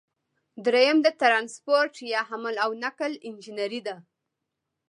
دریم د ټرانسپورټ یا حمل او نقل انجنیری ده.